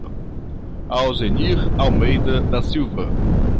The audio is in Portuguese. Alzenir Almeida da Silva